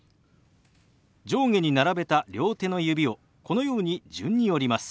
上下に並べた両手の指をこのように順に折ります。